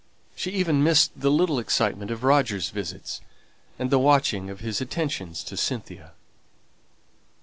She even missed the little excitement of Roger's visits, and the watching of his attentions to Cynthia.